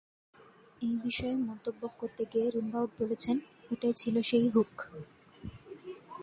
এই বিষয়ে মন্তব্য করতে গিয়ে রিমবাউড বলেছেন, এটাই ছিল সেই হুক।